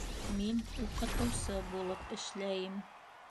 Мин уҡытыусы булып эшләйем